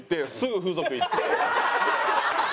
アハハハ！